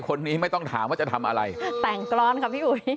คนนี้ไม่ต้องถามว่าจะทำอะไรแต่งกรอนค่ะพี่อุ๋ย